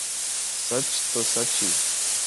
سچ تو سچ ہی